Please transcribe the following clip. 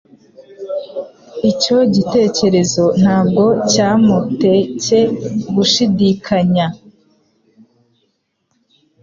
Icyo gitekerezo ntabwo cyamutcye gushidikanya.